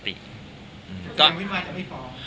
พี่มายจะไม่ฟ้อง